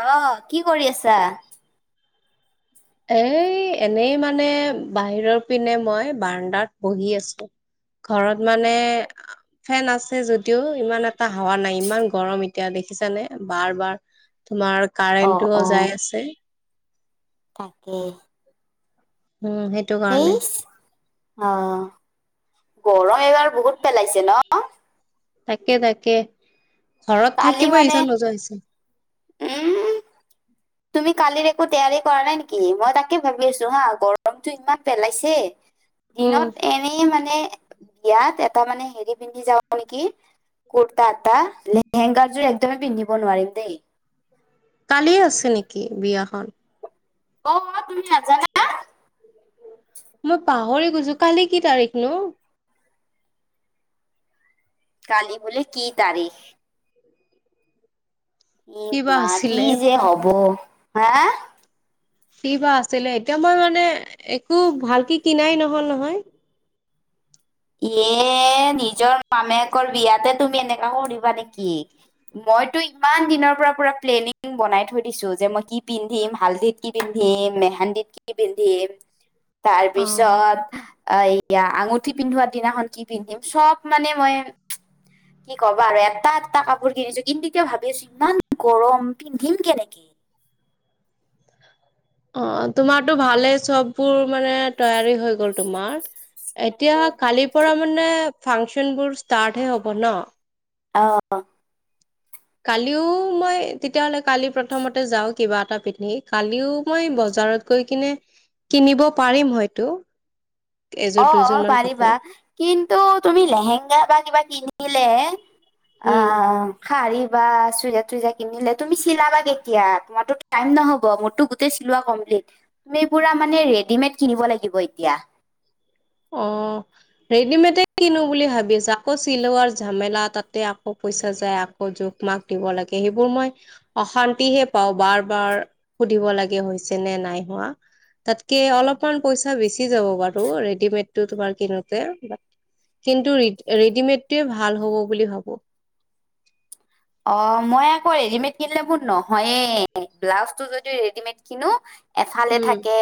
অহ কি কৰি আছা এ এনেই মানে বাহিৰৰ পিনে মই বাৰ্ডাত বহি আছো ঘৰত মানে ফেন আছে যদিও ইমান এটা হাৱা নাই ইমান গৰম এতিয়া দেখিছানে বাৰ বাৰ তোমাৰ অ', কাৰেণ্টোও অ', যাই আছে তাকে উম সেইটো কাৰণে এইচ অ গৰম এবাৰ বহুত পেলাইছে ন তাকে তাকে ঘৰত কালি থাকিবই মানে ইচ্ছা নোজোৱা হৈছে উম তুমি কালিৰ একো তেয়াৰি কৰা নাই নেকি মই তাকে ভাবি আছো হা গৰমটো ইমান পেলাইছে উম দিনত এনেই মানে বিয়াত এটা মানে হেৰি পিন্ধি যাওঁ নেকি। কুৰ্তা এটা, লেহেংগাৰযোৰ একদমেই পিন্ধিব নোৱাৰিম দেই। কালি আছে নেকি বিয়াখন? অ', তুমি নাজানা? মই পাহৰি গৈছো, কালি কি তাৰিখ নো? কালি বোলে কি তাৰিখ। উম, কিবা মা কি আছিলে যে হ'ব, হা? কি বা আছিলে এতিয়া মই মানে একো ভালকে কিনাই নহ'ল নহয়। এ নিজৰ মামেকৰ বিয়াতে তুমি এনেকা কৰিবা নেকি, ম' মইটো ইমান দিনৰ পৰা পুৰা প্লেনিং বনাই থৈ দিছো যে মই কি পিন্ধিম, হালধিত কি পিন্ধিম। মেহেন্দিত কি পিন্ধিম, অ তাৰপিছত এয়া আঙুঠি পিন্ধোৱা দিনাখন কি পিন্ধিম চব মানে মই কি ক'বা আৰু এটা এটা কাপোৰ কিনিছো কিন্তু এতিয়া ভাবি আছোঁ ইমান গৰম পিন্ধিম কেনেকে? অ', তোমাৰটো ভালেই চববোৰ মানে তৈয়াৰী হৈ গ'ল তোমাৰ। এতিয়া উম, কালিৰ পৰা মানে ফাংচনবোৰ ষ্টাৰ্টহে হ'ব ন'। অ'। কালিও মই তেতিয়াহ'লে কালি প্ৰথমতে যাওঁ কিবা এটা পিকনিক কালিও মই বজ বজাৰত গৈ কিনে কিনিব পাৰিম হয়তো। এযোৰ দুযোৰ অ', মান পাৰিবা কাপোৰ কিন্তু তুমি লেহেংগা বা কিবা কিনিলে উম অ', শাৰী বা চুইজাৰ তুইজাৰ কিনিলে তুমি চিলাবা কেতিয়া তোমাৰো টাইম নহ'ব মোৰতো গোটেই চিলোৱা কম লিট তুমি পুৰা মানে ৰেডিমেড কিনিব লাগিব এতিয়া। উম, ৰেডিমেডে কিনো বুলি ভাবি আছ আকৌ চিলোৱাৰ ঝামেলা তাতে আকৌ। পইচা যায় আকৌ জোখ মাখ দিব লাগে সেইবোৰ মই অশান্তিহে পাওঁ বাৰ বাৰ সুধিব লাগে হৈছে নে নাই হোৱা তাত কৈ অলপ মান পইচা বেছি যাব বাৰু। ৰেডিমেড টো তোমাৰ কিনোতে। কিন্তু ৰেডিমেডটোৱে ভাল হ'ব বুলি ভাবো। [unintelligible] অ', মই আকৌ ৰেডিমেড কিনিলে বোৰ নহয়ে, ব্লাউজ টো যদি ৰেডিমেড কিনো এফালে উম, থাকে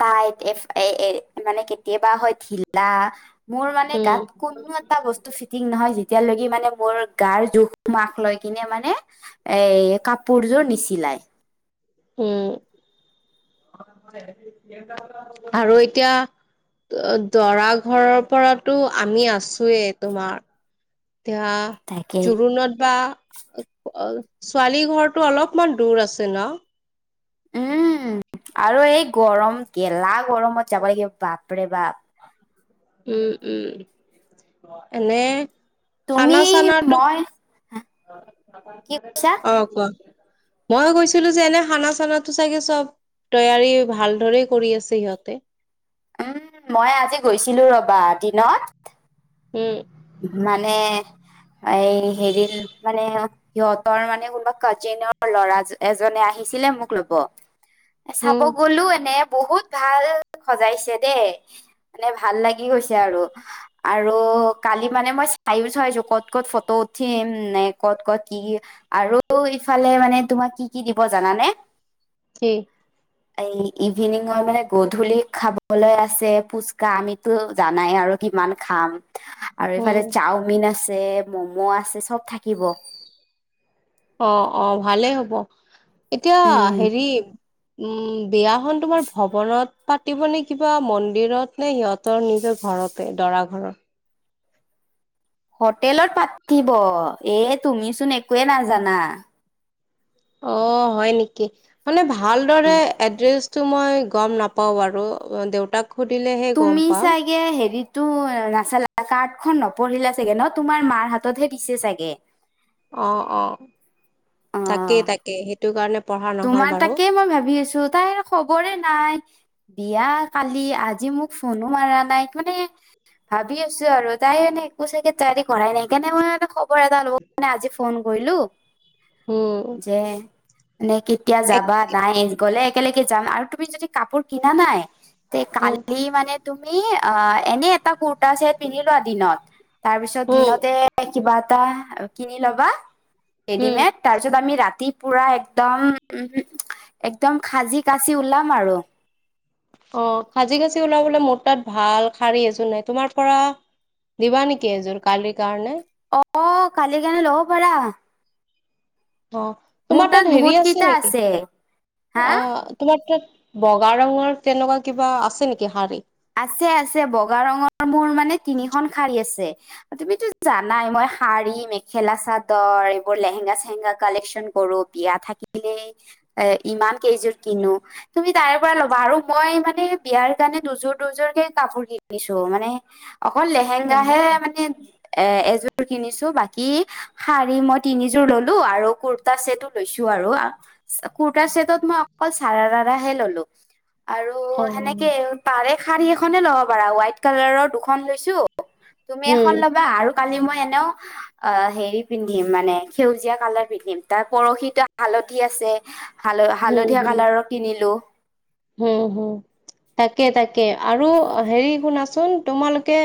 তাইত এফ এ এ মানে কেতিয়াবা হয় ঢিলা। মোৰ মানে গাত কোনো এটা বস্তু ফিটিং নহয়, যেতিয়ালৈকে মানে মোৰ গাৰ জোখ মাখ লৈ কিনে মানে এ কাপোৰযোৰ নিচিলাই। উম আৰু এতিয়া। দৰা ঘৰৰ পৰাতো আমি আছোয়ে তোমাৰ এতিয়া তাকে জোৰোণত বা ছোৱালী ঘৰটো অলপমান দূৰ আছে ন। উম, আৰু এই গৰম গেলা গৰমত যাব লাগিব বাপৰে বাপ। উম, উম এনে তুমি খানা চানাটো মই কি কৈছা অ', কোৱা ময়ো গৈছিলো যে এনে খানা চানা চাগেটো চব। তৈয়াৰী ভালদৰে কৰি আছে সিহঁতে। উম, মই আজি গৈছিলো ৰবা দিনত। উম, মানে এই হেৰি মানে সিহঁতৰ মানে কোনোবা কাজিনৰ ল'ৰা এজনে আহিল। আহিছিলে মোক ল'ব চাব উম, গলো এনে বহুত ভাল। সজাইছে দেই মানে ভাল লাগি গৈছে আৰু, আৰু কালি মানে মই চাইও চাইছো ক'ত, ক'ত ফটো উঠিম নে ক'ত, ক'ত কি আৰু ফালে মানে তোমাক কি কি দিব জানানে। কি? এই ইভিনিঙৰ মানে গধূলি খাবলৈ আছে ফুচকা, আমিতো জানাই আৰু কিমান খাম। আৰু উম, এইফালে চাওমিন আছে মম' আছে চব থাকিব। অ, অ ভালেই হ'ব এতিয়া উম হেৰি উম, বিয়াখন তোমাৰ ভৱনত পাতিব নে কিবা মন্দিৰত নে সিহঁতৰ নিজৰ ঘৰতে দৰা ঘৰৰ। হোটেলত পাতিব এ তুমিচোন একোৱে নাজানা। অ', হয় নেকি? মানে ভালদৰে এড্ৰেছ টো মই গম নাপাওঁ বাৰু দেউতাক সুধিলেহে গম তুমি পাম চাগে হেৰিটো নাচালা কাৰ্ড খন নপঢ়িলা চাগে ন তোমাৰ মাৰ হাততহে দিছে চাগে। অ, অ অ তাকেই তাকেই সেইটো কাৰণে পঢ়া নহল তোমাৰ বাৰু তাকেই মই ভাবি আছো তাইৰ খবৰে নাই। বিয়া কালি আজি মোক ফোনো মাৰা নাই, মানে ভাবি আছো আৰু তাই মানে একো চাগে তয়াৰী কৰাই নাই, সেইকাৰণে মই মানে খবৰ এটা লবৰ কাৰণে আজি ফোন কৰিলো। হেল্লো, হুম, নে কেতিয়া যাবা নাই গ'লে একেলগে যাম, আৰু তুমি যদি কাপোৰ কিনা নাই। তে উম কালি মানে তুমি অ', এনে এটা কুুৰ্তা চেট পিন্ধিলোৱা দিনত। তাৰ পিছত উম দিনতে কিবা এটা কিনি লবা। উম ৰেডিমেড তাৰপিছত আমি ৰাতি পুৰা একদম উম একদম খাজি কাচি ওলাম আৰু অ, খাজি কাজি ওলাবলৈ মোৰ তাত ভাল শাৰী এযোৰ নাই তোমাৰ পৰা দিবা নেকি এযোৰ কালিৰ কাৰণে। অ কালি কাৰণে লব পাৰা। অ, মোৰ তোমাৰ তাত হেৰি বহুত আছে কেইটা নেকি? হা অ তোমাৰ তাত বগা ৰঙৰ তেনেকুৱা কিবা আছে নেকি শাৰী। আছে আছে বগা ৰঙৰ মোৰ মানে তিনিখন শাৰী আছে। তুমিতো জানাই মই শাৰী মেখেলা চাদৰ এইবোৰ লেহেঙা চেহেগা কালেকচন কৰো বিয়া থাকিলেই এ ইমান কেইযোৰ কিনো তুমি তাৰে পৰা ল'বা আৰু মই মানে বিয়াৰ কাৰণে দুযোৰ দুযোৰকে কাপোৰ কিনিছো মানে অকল অ লেহেংগাহে মানে এ এযোৰ কিনিছো বাকী শাৰী মই তিনিযোৰ ললো আৰু কুুৰ্তা চছেটো লৈছো আৰু কুৰ্তাৰ চছেটত মই অকল চাৰাৰ হে ললো আৰু অ সেনেকে উম পাৰে শ়াৰী এখনে লব পাৰা হোৱাইট কালাৰৰ দুখন লৈছো তুমি এখন ল'বা আৰু কালি মই এ অ হেৰি পিন্ধিম মানে সেউজীয়া কালাৰ পিন্ধিম তাৰ পৰহি তো হালধি আছে হাল হালধীয়া কালাৰৰ কিনিলো হুম হুম তাকে তাকে আৰু হেৰি শুনাচোন তোমালোকে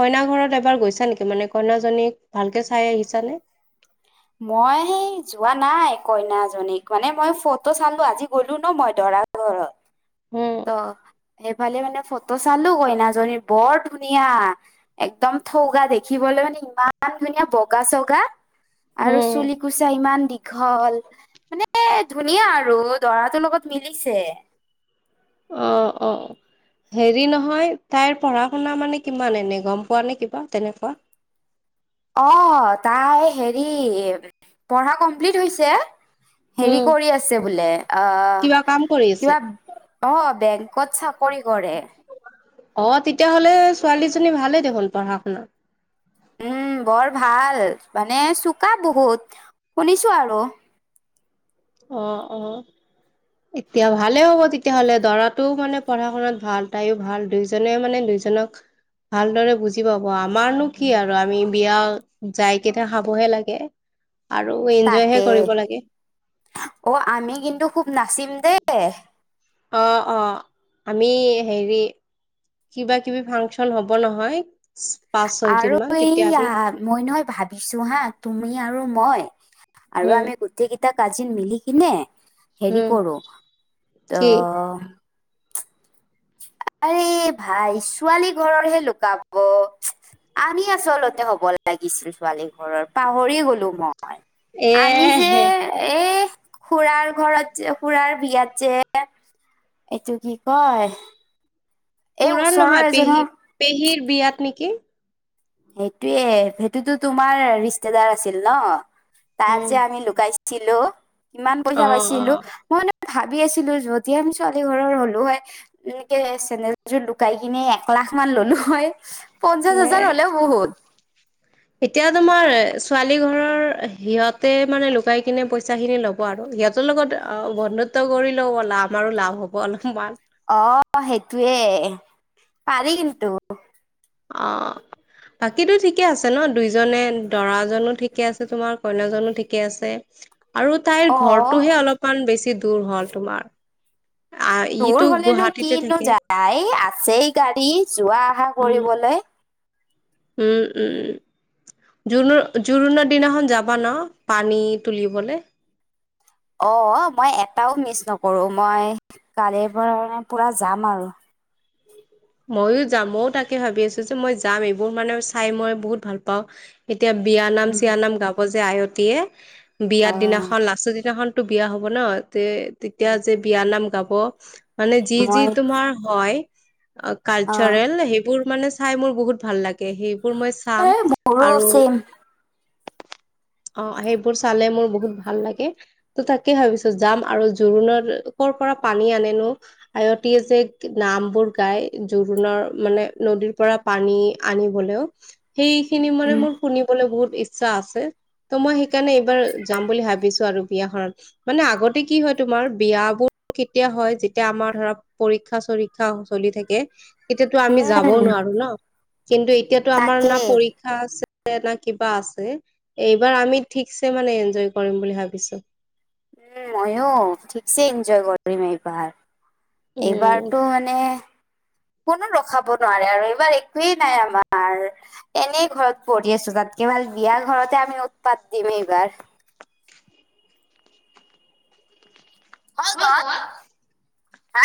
কইনা ঘৰত এবাৰ গৈছা নেকি মানে কইনাজনীক ভালকে চাই আহিছানে [inaudible] মই যোৱা নাই কইনাজনীক মানে মই ফটো চালো আজি গ'লো ন মই দৰা [inaudible] উম ইফালে মানে ফটো চালো কইনাজনী বৰ ধুনীয়া একদম থৌগা দেখিবলৈ মানে ইমান ধুনীয়া বগা চগা আৰু উম চুলি কুচা ইমান দীঘল মানে ধুনীয়া আৰু দৰাটোৰ লগত মিলিছে অ অ অ হেৰি নহয় তাইৰ পঢ়া শুনা মানে কিমান এনে গম পোৱা নে কিবা তেনেকুৱা [inaudible] অ তাই হেৰি পঢ়া কমপ্লিট হৈছে উম হেৰি কৰি আছে বোলে অ কিবা কাম কৰি আছে কিবা অ বেগ ক'ত চাকৰি কৰে অ তেতিয়াহ'লে ছোৱালীজনী ভালেই দেখোন পঢ়া শুনা উম বৰ ভাল মানে চোকা বহুত শুনিছো আৰু অ অ এতিয়া ভালে হ'ব তেতিয়াহ'লে দৰাটোও মানে পঢ়া শুনাত ভাল তাইও ভাল দুইোজনে মানে দুই সিজনক ভালদৰে বুজি পাব আমাৰনো কি আৰু আমি বিয়া যাইকেইটা খাবহে লাগে আৰু এনজয়হে তাকে কৰিব লাগে অ আমি কিন্তু খুব নাচিম দেেই অ অ আমি হেৰি কিবা কিবি ফাংচন হব নহয় পাঁচ ছয় দিন আৰু মান তেতিয়া এইয়া আমি মই নহয় ভাবিছো হা তুমি আৰু মই আৰু উম আমি গোটেইকেইটা কাজিন মিলি কিনে হেৰি উম কৰো ত কি আ ভাই ছোৱালী ঘৰৰহে লুকাব আমি আচলতে হ'ব লাগিছিল ছোৱালী ঘৰৰ পাহৰি গলো মই হয় এ আমি যে হে এই খুৰাৰ ঘৰত খুৰাৰ বিয়াত যে এইটো কি কয় এই পৰাণ ওচৰৰ নহয় পেহী এজনৰ পেহীৰ বিয়াত নেকি সেইটোয়ে সেইটোতো তোমাৰ ৰিস্তদাৰ আছিল ন তাৰ উম যে আমি লুকাইছিল ছিলো কিমান পইচা অ পাইছিলো মই ভাবি আছিলো যদি আমি ছোৱালী ঘৰৰ হলো হয় এনেকে চেনেযোৰ লুকাই কিনে এখন লাখ মান ল' নহয় পঞ্চাশ হাজাৰ হলেও বহুত এতিয়াতো মই ছোৱালী ঘৰৰ সিহঁতে মানে লুকাই কিনে পইচা খিনি লব আৰু সিহঁতৰ লগত বন্ধুত্ব কৰিলেও আমাৰো লাভ হ'ব অলপমান অ সেইটোৱে পাৰি কিন্তু বাকীটো ঠিকে আছে ন দুইজনে দৰাজনো ঠিকে আছে তোমাৰ কইনাজনো ঠিকে আছে আৰু তাইৰ অ ঘৰটোহে অলপমান বেছি দূৰ হল তোমাৰ আহ ইটো দূৰ হলেনো গুৱাহাটীতে কিনো থাকে যায় আছেই গাড়ী যোৱা অহা উম কৰিবলৈ উম উম উ জ জোৰণৰ দিনাখন যাবা ন পানী তুলিব অ মই এটাও মিচ নকৰো মই কালিৰ পৰা পুৰা যাম আৰু ময়ো যাম ময়ও তাকে ভাবি আছো যে মই যাম এইবোৰ মানে চাই মই বহুত ভাল পাওঁ এতিয়া বিয়ানাম উম চিয়া নাম গাব যে আয়তীয়ে বিয়া অ দিনাখন নাচো দিনাখন টো বিয়া হব ন তে তেতিয়া যে বিয়া নাম গাব মানে যি যি মই তোমাৰ হয় অ কালচাৰেল সেইবোৰ মানে চাই মোৰ বহুত ভাল লাগে তে সেইবোৰ মই এ চাম মোৰো আৰু চেম অ সেইবোৰ চালে মোৰ বহুত ভাল লাগে ত তাকে ভাবিছো যাম আৰু জোৰোণত পৰা পানী আনেনো আয়তীয়ে যে নাম বোৰ গাই জোবোণৰ মানে নদীৰ পৰা পানী আনিবলৈও সেই খিনি মানে মোৰ শুনিবলৈ বহুত ইচ্ছা আছে, ত' মই সেইকাৰণে এইবাৰ যাম বুলি ভাবিছোঁ আৰু বিয়াখনত মানে আগতে কি হয়। তোমাৰ বিয় বোৰ কেতিয়া হয়। যেতিয়া আমাৰ ধৰা পৰীক্ষা চৰীক্ষা চলি থাকে। তেতিয়াতো আমি যাবো উম নোৱাৰো ন কিন্তু, এতিয়াতো আমাৰ না তাকেই পৰীক্ষা আছে। না কিবা আছে। এইবাৰ আমি ঠিকছে মানে এনঞ্জয় কৰিম বুলি ভাবিছোঁ। উম, মইয়ো ঠিকছে এনঞ্জয় কৰিম এইবাৰ। উম এইবাৰটো মানে কোনো ৰখাব নোৱাৰে আৰু এইবাৰ একোৱেই নাই আমাৰ এনে ঘৰত পঢ়ি আছোঁ। তাতকে ভাল বিয়া ঘৰতে আমি উৎপাত দিম এইবাৰ ক'ত যোৱা? হা